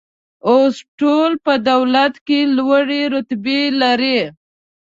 اوس ټول په دولت کې لوړې رتبې لري